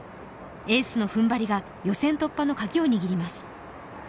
エースの踏ん張りが、予選突破のカギを握ります。